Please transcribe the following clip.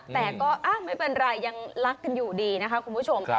แต่ก็ไม่เป็นไรยังรักกันอยู่ดีนะคะคุณผู้ชม